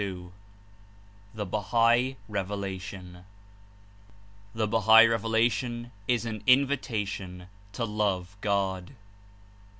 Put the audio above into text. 132 The Bahai Revelation THE BAHAI REVELATION IS AN INVITATION TO LOVE GOD.